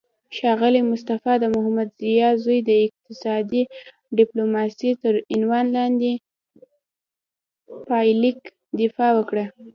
ښاغلی مصطفی د محمدضیا زوی د اقتصادي ډیپلوماسي تر عنوان لاندې پایلیک دفاع وکړه